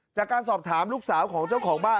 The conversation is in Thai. จากการสอบถามลูกสาวของเจ้าของบ้าน